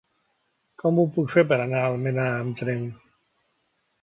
Com ho puc fer per anar a Almenar amb tren?